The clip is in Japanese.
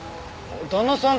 旦那さん